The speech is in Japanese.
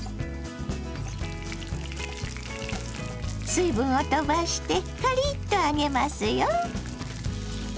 水分を飛ばしてカリッと揚げますよ。